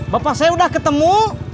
bapak saya udah ketemu